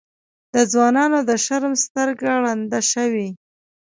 د ځوانانو د شرم سترګه ړنده شوې.